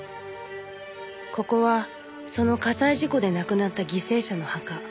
「ここはその火災事故で亡くなった犠牲者の墓」